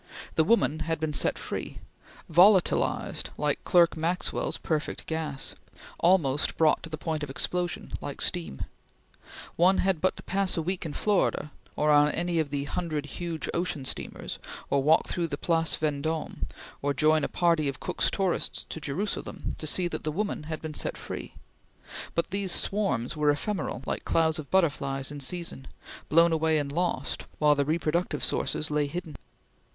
The woman had been set free volatilized like Clerk Maxwell's perfect gas; almost brought to the point of explosion, like steam. One had but to pass a week in Florida, or on any of a hundred huge ocean steamers, or walk through the Place Vendome, or join a party of Cook's tourists to Jerusalem, to see that the woman had been set free; but these swarms were ephemeral like clouds of butterflies in season, blown away and lost, while the reproductive sources lay hidden.